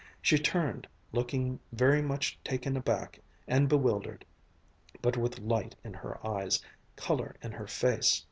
She turned, looking very much taken aback and bewildered, but with light in her eyes, color in her face.